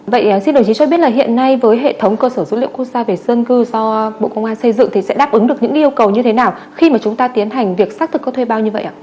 vậy xin đồng chí cho biết là hiện nay với hệ thống cơ sở dữ liệu quốc gia về dân cư do bộ công an xây dựng thì sẽ đáp ứng được những yêu cầu như thế nào khi mà chúng ta tiến hành việc xác thực các thuê bao như vậy ạ